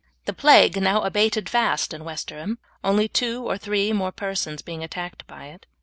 The plague now abated fast in Westerham, only two or three more persons being attacked by it.